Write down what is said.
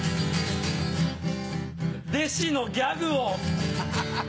弟子のギャグをハハハ！